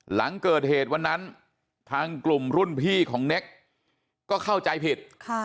หลังเกิดเหตุวันนั้นทางกลุ่มรุ่นพี่ของเน็กก็เข้าใจผิด